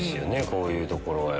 こういうところが。